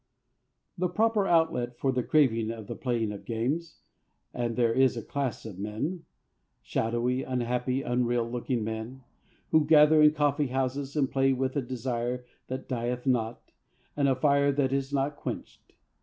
The proper outlet for the craving is the playing of games, and there is a class of men shadowy, unhappy, unreal looking men who gather in coffee houses, and play with a desire that dieth not, and a fire that is not quenched.